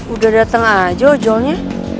udah dateng aja ojolnya